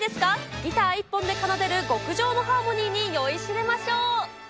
ギター一本で奏でる極上のハーモニーに酔いしれましょう。